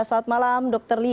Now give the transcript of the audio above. selamat malam dr lia